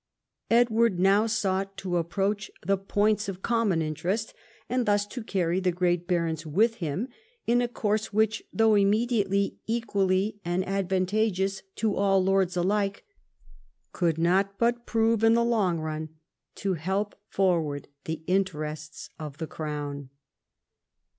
Edward now sought to approach the points of common interest, and thus to carry the great barons with him in a course which, though immediately equally advantageous to all lords alike, could not but prove in the long run to help forward the interests of the crown.